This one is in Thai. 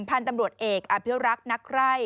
พันธุ์ตำรวจเอกอภิวรักษ์นักไร่